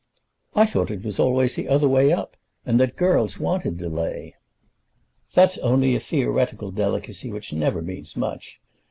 "I thought it was always the other way up, and that girls wanted delay?" "That's only a theoretical delicacy which never means much.